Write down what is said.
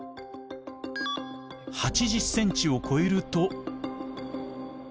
８０センチを超えると。